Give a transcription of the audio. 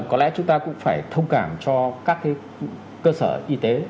có lẽ chúng ta cũng phải thông cảm cho các cơ sở y tế